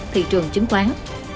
thị trường chứng khoán